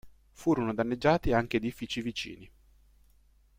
Furono danneggiati anche edifici vicini.